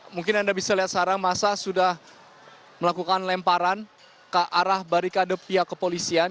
mungkin anda bisa lihat sekarang masa sudah melakukan lemparan ke arah barikade pihak kepolisian